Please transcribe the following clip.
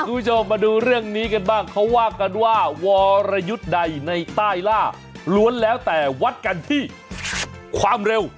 คุณผู้ชมมาดูเรื่องนี้กันบ้างเขาว่ากันว่าวรยุทธ์ใดในใต้ล่าล้วนแล้วแต่วัดกันที่ความเร็ว